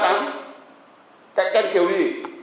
cạnh tranh kiểu gì